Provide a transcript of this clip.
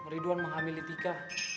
ridwan menghamili tika